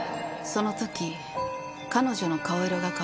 その時彼女の顔色が変わりました。